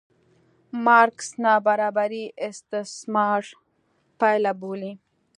مارکس نابرابري استثمار پایله بولي.